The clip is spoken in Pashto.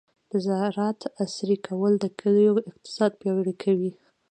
د زراعت عصري کول د کلیو اقتصاد پیاوړی کوي.